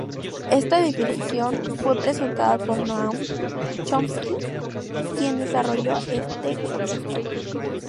Esta definición fue presentada por Noam Chomsky, quien desarrolló este concepto.